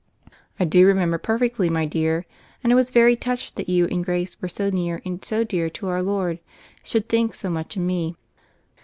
"I do remember perfectly, my dear. And I was very much touched that you and Grace, who were so near and so dear to Our Lord, should think so much of me."